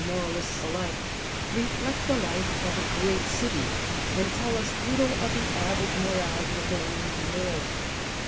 Litera moralists alike— reflect the life of a great J^thR^an city, and tell us little of the average morality life of the Roman world.